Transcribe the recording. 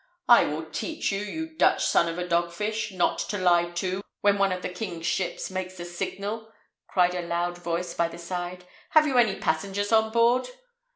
"I will teach you, you Dutch son of a dog fish, not to lie to when one of the king's ships makes the signal," cried a loud voice by the side. "Have you any passengers on board?"